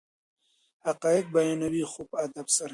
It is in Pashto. حقایق بیانوي خو په ادب سره.